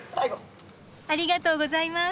ありがとうございます。